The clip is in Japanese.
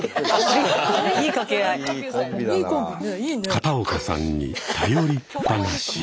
片岡さんに頼りっぱなし。